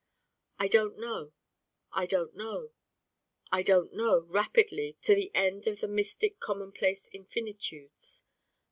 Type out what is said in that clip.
I Don't Know I Don't Know I Don't Know, rapidly, to the end of the mystic common place infinitudes.